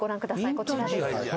こちらです。